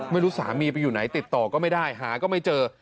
ไม่รู้สามีไปอยู่ไหนติดต่อก็ไม่ได้หาก็ไม่เจอ